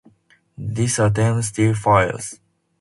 This attempt still fails.